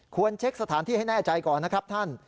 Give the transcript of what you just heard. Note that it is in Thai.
เช็คสถานที่ให้แน่ใจก่อนนะครับท่าน